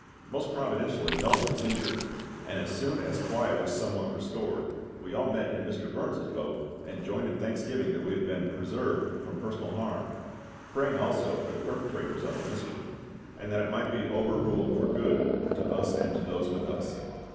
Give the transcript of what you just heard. Most providentially no one was injured; and as soon as quiet was somewhat restored, we all met in Mr. Burns's boat and joined in thanksgiving that we had been preserved from personal harm, praying also for the perpetrators of the mischief, and that it might be over ruled for good to us and to those with us.